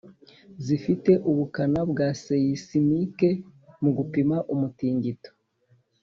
zifite ubukana bwa seisimike mu gupima umutingito.